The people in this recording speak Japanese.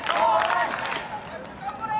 頑張れ！